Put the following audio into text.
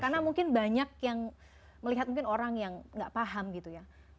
karena mungkin banyak yang melihat mungkin orang yang gak paham gitu ya